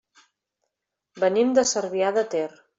Venim de Cervià de Ter.